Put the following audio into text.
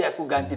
hey siapa sih itu